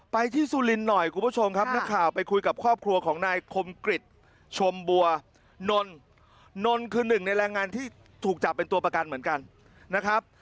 ไปที่สุรินทร์หน่อยคุณผู้ชมครับนักข่าวไปคุยกับครอบครัวของนายคมกริจชมบัวนนคือหนึ่งในแรงงานที่ถูกจับเป็นตัวประกันเหมือนกันนะครับ